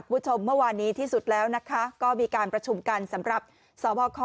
คุณผู้ชมเมื่อวานนี้ที่สุดแล้วนะคะก็มีการประชุมกันสำหรับสบค